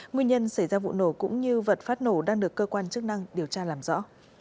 nguyên nhân xảy ra vụ nổ cũng như vật phát nổ đang được cơ quan chức năng điều tra làm rõ